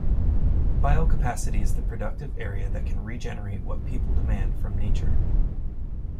Biocapacity is the productive area that can regenerate what people demand from nature.